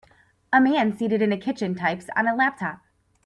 A man seated in a kitchen types on a laptop.